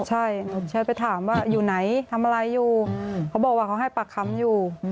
ใช่ผมแชทไปถามว่าอยู่ไหนทำอะไรอยู่เขาบอกว่าเขาให้ปากคำอยู่